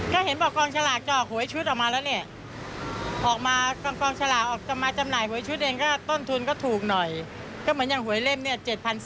ก็เห็นว่ากองสลากจะออกไว้ชุดออกมาแล้วเนี่ย